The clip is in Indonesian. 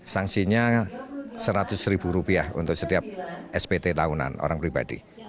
sanksinya seratus ribu rupiah untuk setiap spt tahunan orang pribadi